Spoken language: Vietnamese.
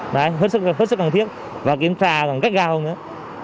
đấy hết sức cần thiết và kiểm tra bằng cách giao nữa